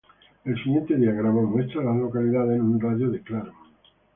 El siguiente diagrama muestra a las localidades en un radio de de Claremont.